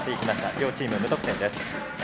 両チーム無得点です。